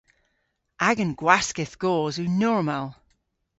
Agan gwaskedh goos yw normal.